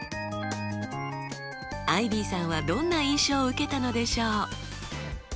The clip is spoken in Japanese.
アイビーさんはどんな印象を受けたのでしょう？